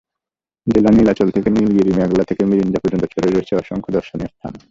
জেলার নীলাচল থেকে নীলগিরি, মেঘলা থেকে মিরিঞ্জা পর্যন্ত ছড়িয়ে রয়েছে অসংখ্য দর্শনীয় স্থান।